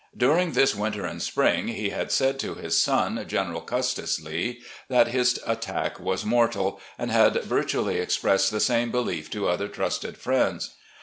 During this winter and spring he had said to his son. General Custis Lee, that his attack was mortal; and had virtually expressed the same belief to other trusted friends.